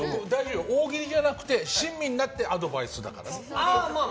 大喜利じゃなくて親身になってアドバイスだからね。